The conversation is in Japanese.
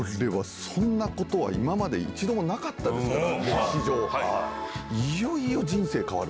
そんなことは今まで一度もなかったですから歴史上。